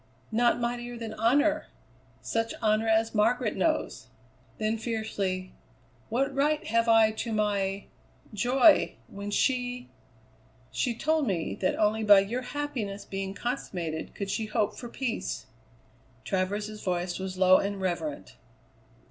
"Not mightier than honour such honour as Margaret knows!" Then fiercely: "What right have I to my joy, when she " "She told me that only by your happiness being consummated could she hope for peace." Travers's voice was low and reverent.